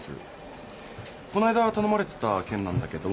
こないだ頼まれてた件なんだけど。